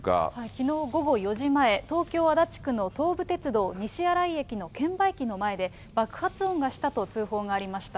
きのう午後４時前、東京・足立区の東武鉄道西新井駅の券売機の前で爆発音がしたと通報がありました。